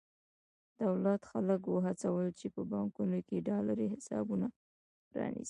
دولت خلک وهڅول چې په بانکونو کې ډالري حسابونه پرانېزي.